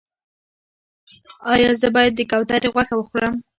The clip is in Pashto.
ایا زه باید د کوترې غوښه وخورم؟